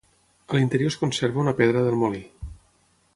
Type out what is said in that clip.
A l'interior es conserva una pedra del molí.